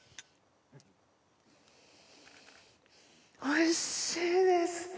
おいしいです。